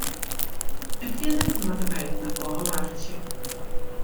En fierder moatte wy it mar ôfwachtsje.